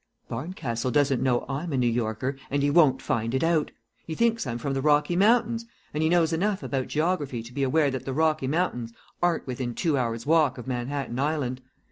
"Barncastle doesn't know I'm a New Yorker, and he won't find it out. He thinks I'm from the Rocky Mountains, and he knows enough about geography to be aware that the Rocky Mountains aren't within two hours' walk of Manhattan Island.